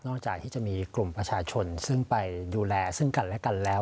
จากที่จะมีกลุ่มประชาชนซึ่งไปดูแลซึ่งกันและกันแล้ว